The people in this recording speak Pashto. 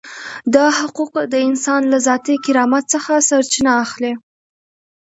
دا حقوق د انسان له ذاتي کرامت څخه سرچینه اخلي.